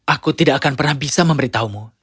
aku tidak akan pernah bisa memberitahumu